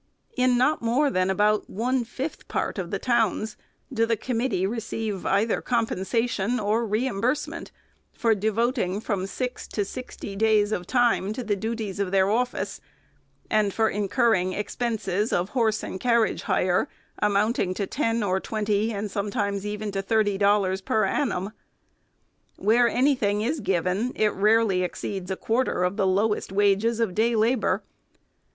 In not more than about one fifth part of the towns do the committee receive either compensation or re imbursement for devoting from six to sixty days of time to the duties of their office, and for incurring ex penses of horse and carriage hire, amounting to ten or 404 THE SECRETARY'S twenty, ana sometimes even to thirty dollars per annum. Where any thing is given, it rarely exceeds a quarter of the lowest wages of day labor.